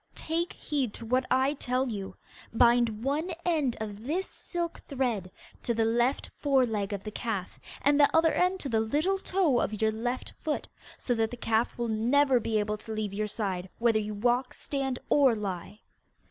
Take heed to what I tell you. Bind one end of this silk thread to the left fore leg of the calf, and the other end to the little toe of your left foot, so that the calf will never be able to leave your side, whether you walk, stand, or lie.